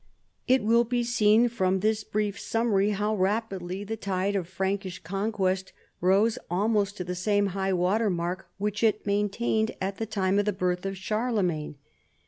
It will be seen from this brief summary how rap idly the tide of Frankish conquest rose almost to the same high water mark which it maintained at the time of the birth of Charlemagne.